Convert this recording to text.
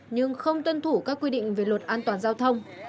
nhưng không tuân thủ các quy định về luật an toàn giao thông